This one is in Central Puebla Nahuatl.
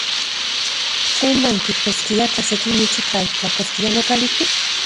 ¿Tlen nankijtoskiaj tla se kimichi tlaijtlakoskia nokalijtik?